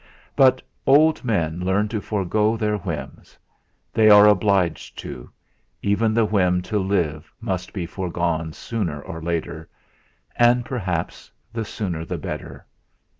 But old men learn to forego their whims; they are obliged to, even the whim to live must be foregone sooner or later; and perhaps the sooner the better.